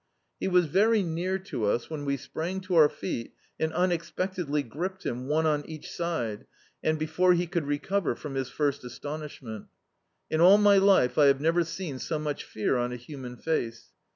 He was very near to us, when we sprang to our feet, and uneq>ectedly gripped him, one on each side, and before he could recover from his first astonishment In all my life I have never seen so much fear on a human face.